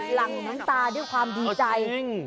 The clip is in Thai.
หลังน้ำตาด้วยความดีใจ